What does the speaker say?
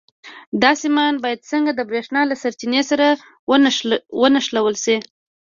دا سیمان باید څنګه د برېښنا له سرچینې سره ونښلول شي؟